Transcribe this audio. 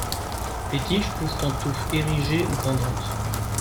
Les tiges poussent en touffes érigées ou pendantes.